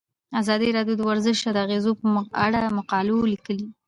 ازادي راډیو د ورزش د اغیزو په اړه مقالو لیکلي.